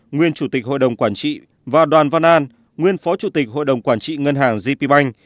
nguyên chủ tịch hội đồng quản trị và đoàn văn an nguyên phó chủ tịch hội đồng quản trị ngân hàng gp bank